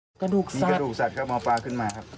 มีกระดูกสัตว์ที่มีกระดูกสัตว์ครับมองปลาขึ้นมาครับ